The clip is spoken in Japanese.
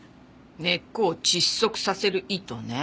根っこを窒息させる意図ねえ。